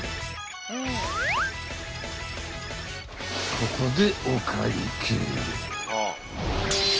［ここで］